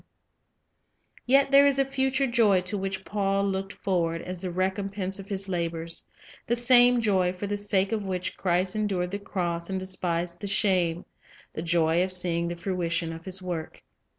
1 Yet there is a future joy to which Paul looked for ward as the recompense of his labors, — the same joy for the sake of which Christ endured the cross and despised the shame, — the joy of seeing the fruition of his work.